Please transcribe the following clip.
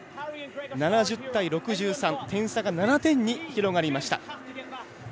７０対６３、点差が７点に広がりました。